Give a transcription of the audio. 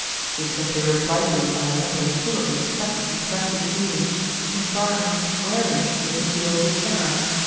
He simply replied to it by a letter full of respect and friendly feeling, inquiring wherein he had been guilty of error.